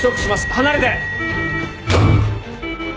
離れて！